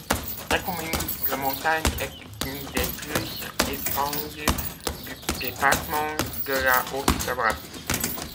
Cette commune de montagne est une des plus étendues du département de la Haute-Savoie.